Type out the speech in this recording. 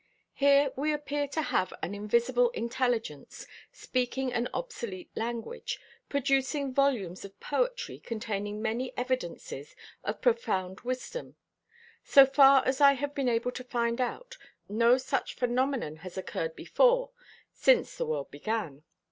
Here we appear to have an invisible intelligence, speaking an obsolete language, producing volumes of poetry containing many evidences of profound wisdom. So far as I have been able to find out, no such phenomenon has occurred before since the world began.